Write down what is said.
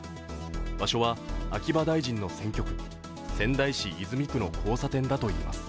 場所は秋葉大臣の選挙区、仙台市泉区の交差点だといいます。